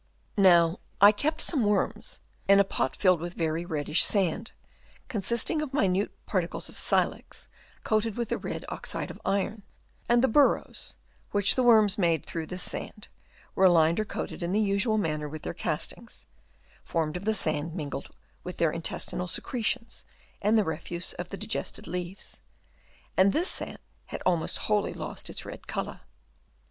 Now I kept some worms in a pot filled with very fine reddish Chap. Y. AND DENUDATION. 24o sand, consisting of minute particles of silex coated with the red oxide of iron ; and the burrows, which the worms made through this sand, were lined or coated in the usual manner with their castings, formed of the sand mingled with their intestinal secretions and the refuse of the digested leaves; and this sand had almost wholly lost its red colour.